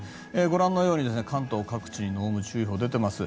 ご覧のように関東各地に濃霧注意報が出ています。